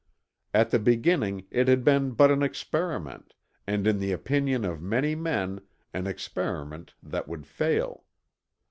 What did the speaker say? At the beginning it had been but an experiment and in the opinion of many men an experiment that would fail.